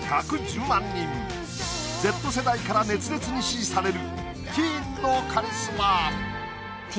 Ｚ世代から熱烈に支持される。